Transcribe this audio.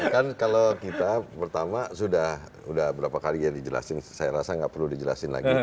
kan kalau kita pertama sudah berapa kali ya dijelasin saya rasa nggak perlu dijelasin lagi